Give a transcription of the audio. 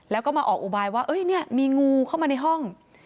แล้วก็มาออกอุบายว่าเนี่ยมีงูเข้ามาในห้อง